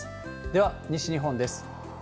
では、西日本です。